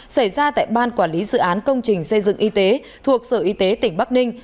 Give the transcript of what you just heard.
xảy ra tại ban quản lý dự án công trình xây dựng y tế thuộc sở y tế tỉnh bắc ninh